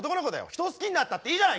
人を好きになったっていいじゃないか！